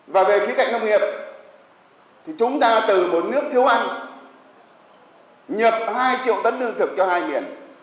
và về khí cạnh nông nghiệp thì chúng ta từ một nước thiếu ăn nhập hai triệu tấn lương thực cho hai miền